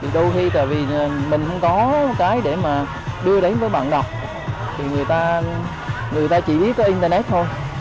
đôi khi tại vì mình không có cái để mà đưa đến với bạn đọc thì người ta chỉ biết có internet thôi